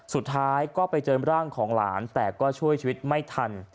สุดท้ายก็ไปเจอร่างของหลานแต่ก็ช่วยชีวิตไม่ทัน